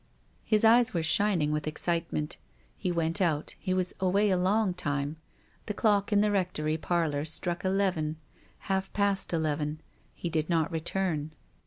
His eyes were shining with excitement. He went out. He was away a long time. The clock in the rectory parlour struckeleven, half past eleven, he did not return.